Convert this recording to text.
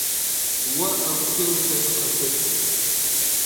О ӏэгу теу, сэ сыкъэшъощт.